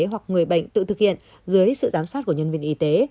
hoặc người bệnh tự thực hiện dưới sự giám sát của nhân viên y tế